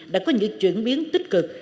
đã có những chuyển biến tích cực